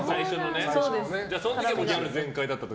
その時はギャル全開だったと。